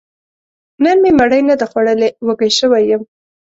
نن مې مړۍ نه ده خوړلې، وږی شوی يم